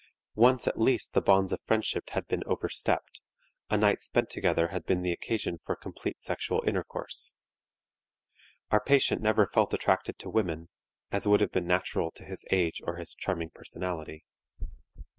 Once at least the bonds of friendship had been over stepped; a night spent together had been the occasion for complete sexual intercourse. Our patient never felt attracted to women, as would have been natural to his age or his charming personality.